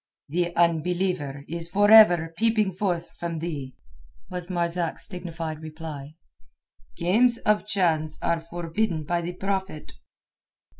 "The unbeliever is for ever peeping forth from thee," was Marzak's dignified reply. "Games of chance are forbidden by the Prophet."